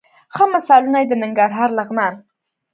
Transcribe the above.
ښه مثالونه یې د ننګرهار، لغمان،